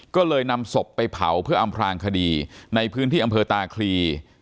ก็เลยนำศพไปเผาเพื่ออำพลางคดีในพื้นที่อำเภอตาคลี